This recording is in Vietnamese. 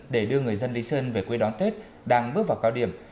để đưa người dân lý sơn về quê đón tết đang bước vào cao điểm